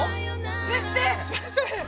先生！